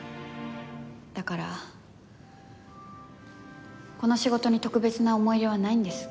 だからこの仕事に特別な思い入れはないんです。